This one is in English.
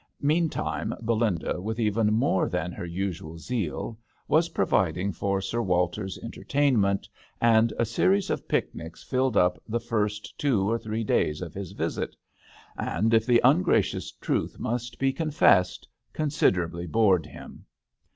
Meantime Belinda, with even more than her usual zeal, was providing for Sir Walter's enter tainment, and a series of picnics filled up the first two or three days of his visit, and, if the un gracious truth must be confessed, considerably bored him.